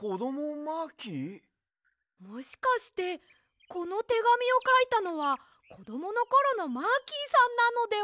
もしかしてこのてがみをかいたのはこどものころのマーキーさんなのでは？